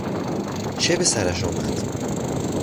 چه بسرش آمد؟